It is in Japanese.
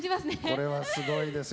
これはすごいですよ。